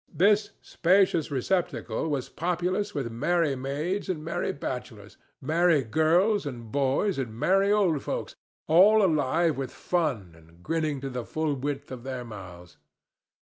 This spacious receptacle was populous with merry maids and merry bachelors, merry girls and boys and merry old folks, all alive with fun and grinning to the full width of their mouths.